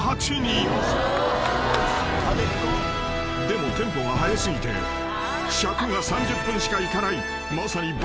［でもテンポが速すぎて尺が３０分しかいかないまさに番組史上